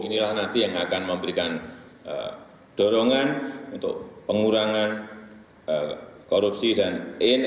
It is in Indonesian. inilah nanti yang akan memberikan dorongan untuk pengurusan